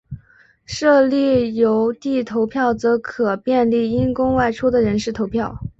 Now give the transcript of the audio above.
设立邮递投票则可便利因公外出的人士投票。